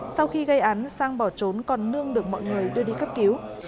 sau khi gây án sang bỏ trốn còn nương được mọi người đưa đi cấp cứu